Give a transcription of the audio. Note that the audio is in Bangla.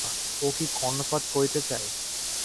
ও কি কর্ণপাত করিতে চায়!